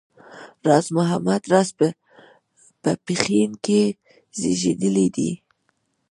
راز محمد راز په پښین کې زېږېدلی دی